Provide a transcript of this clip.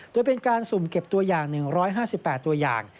โดยเป็นการสุ่มเก็บตัวอย่าง๑๕๘ตัวอย่าง